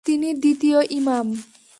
তিনি দ্বিতীয় ইমাম।